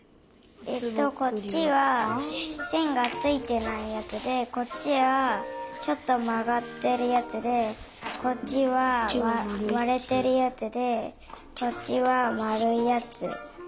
えっとこっちはせんがついてないやつでこっちはちょっとまがってるやつでこっちはわれてるやつでこっちはまるいやつ。